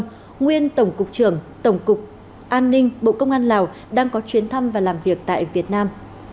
nguyên tổng cục trưởng tổng cục an ninh bộ công an lào đang có chuyến thăm và làm việc tại việt nam